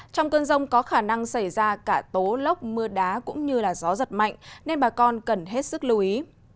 trong cơn rông có khả năng xảy ra cả tố lốc mưa đá cũng như gió giật mạnh nên bà con cần hết sức lưu ý